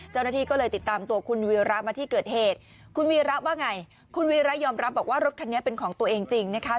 เจ้าหน้าที่ก็เลยติดตามตัวคุณวีระมาที่เกิดเหตุคุณวีระว่าไงคุณวีระยอมรับบอกว่ารถคันนี้เป็นของตัวเองจริงนะคะ